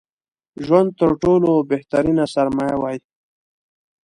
ژوند تر ټولو بهترينه سرمايه وای